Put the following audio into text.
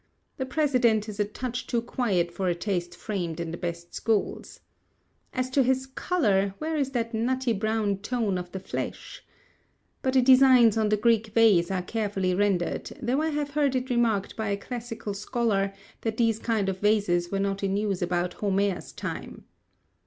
The President is a touch too quiet for a taste framed in the best schools. As to his colour, where is that nutty brown tone of the flesh? But the designs on the Greek vase are carefully rendered; though I have heard it remarked by a classical scholar that these kind of vases were not in use about Homer's time.